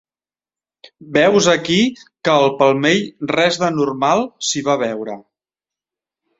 Veus aquí que al palmell res d'anormal s'hi va veure.